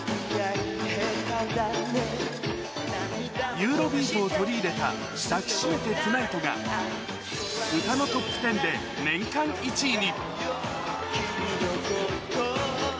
ユーロビートを取り入れた、抱きしめてＴＯＮＩＧＨＴが、歌のトップテンで年間１位に。